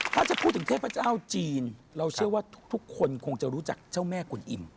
ถ้าจะพูดถึงเทพเจ้าจีนเราเชื่อว่าทุกคนคงจะรู้จักเจ้าแม่กุลอิ่ม